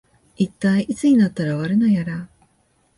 いったい、いつになったら終わるのやら